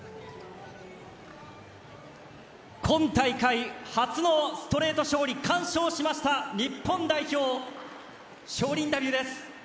今大会、初のストレート勝利完勝しました日本代表の勝利インタビューです。